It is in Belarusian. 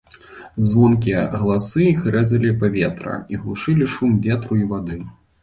Звонкія галасы іх рэзалі паветра і глушылі шум ветру і вады.